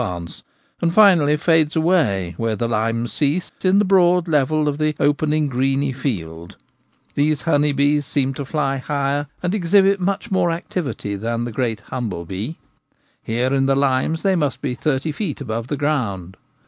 6 1 vance, and finally fades away, where the Jimes cease, in the broad level of the opening 'greeny field/ These honey bees seem to fly higher and to exhibit much more activity than the great humble bee : here in the limes they must be thirty feet .above the ground.